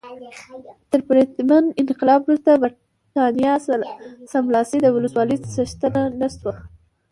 تر پرتمین انقلاب وروسته برېټانیا سملاسي د ولسواکۍ څښتنه نه شوه.